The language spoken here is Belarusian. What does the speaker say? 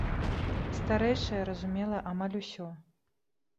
Старэйшая разумела амаль усё.